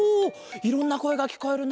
いろんなこえがきこえるな。